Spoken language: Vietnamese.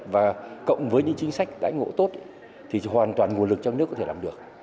và cộng với những chính sách đãi ngộ tốt thì hoàn toàn nguồn lực trong nước có thể làm được